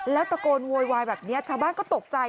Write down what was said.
แล้วตะโกนโวยวายแบบนี้ชาวบ้านก็ตกใจ